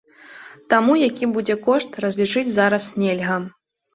Таму які будзе кошт, разлічыць зараз нельга.